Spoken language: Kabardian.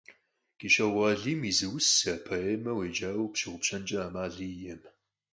КӀыщокъуэ Алим и зы усэ, поэмэ уеджауэ пщыгъупщэнкӀэ Ӏэмал иӀэкъым.